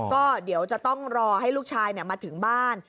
ก็เดี๋ยวจะต้องรอให้ลูกชายมาถึงบ้าน